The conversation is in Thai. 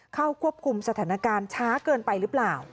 เข้าควบคุมสถานการณ์ช้าเกินไปหรือเปล่า